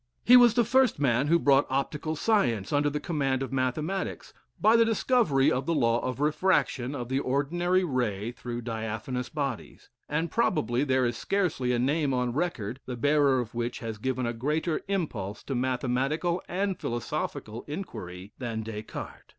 He was the first man who brought optical science under the command of mathematics, by the discovery of the law of refraction of the ordinary ray through diaphanous bodies; and probably there is scarcely a name on record, the bearer of which has given a greater impulse to mathematical and philosophical inquiry than Des Cartes.